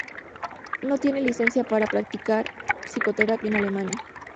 No tiene licencia para practicar psicoterapia en Alemania.